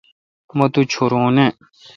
مہ تو چورو نہ۔